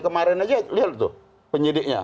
kemarin aja lihat tuh penyidiknya